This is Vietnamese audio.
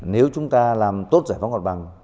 nếu chúng ta làm tốt giải phóng hoạt bằng